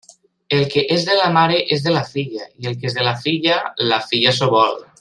El que és de la mare és de la filla, i el que és de la filla, la filla s'ho vol.